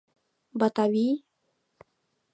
Батавий?